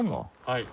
はい。